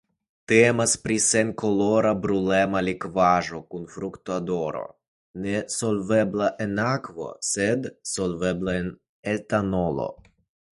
Temas pri senkolora brulema likvaĵo kun fruktodoro nesolvebla en akvo sed solvebla en etanolo.